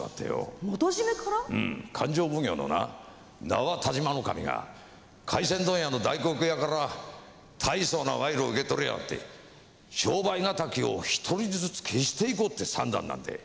うん勘定奉行のな名和但馬守が回船問屋の大黒屋から大層な賄賂を受け取りやがって商売敵を一人ずつ消していこうって算段なんでえ。